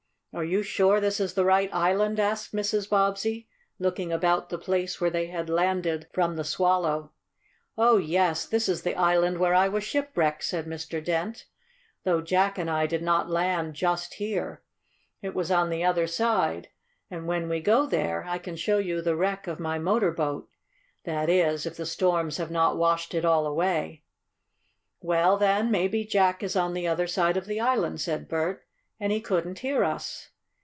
"Are you sure this is the right island?" asked Mrs. Bobbsey, looking about the place where they had landed from the Swallow. "Oh, yes, this is the island where I was shipwrecked," said Mr. Dent, "though Jack and I did not land just here. It was on the other side, and when we go there I can show you the wreck of my motor boat that is, if the storms have not washed it all away." "Well, then maybe Jack is on the other side of the island," said Bert. "And he couldn't hear us."